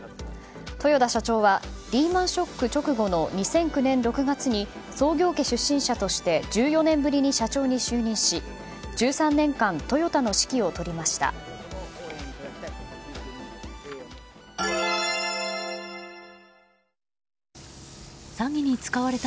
豊田社長はリーマン・ショック直後の２００９年６月に創業家出身者として１４年ぶりに社長に就任し１３年間トヨタの指揮を執りました。